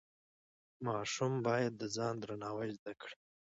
ماشوم باید د ځان درناوی زده کړي.